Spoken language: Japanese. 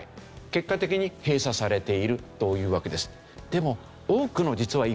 結果的に閉鎖されているというわけです。